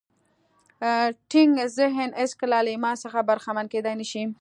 تنګ ذهن هېڅکله له ایمان څخه برخمن کېدای نه شي